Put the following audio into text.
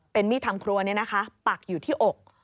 เป็นมีดทำครัวเนี่ยนะคะปักอยู่ที่อก